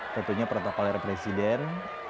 tentunya protokolir presiden